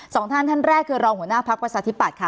สองท่านท่านแรกคือรองหัวหน้าพักประชาธิปัตยค่ะ